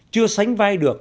chưa sánh vai được